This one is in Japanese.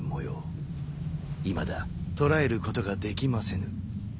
いまだ捕らえることができませぬ。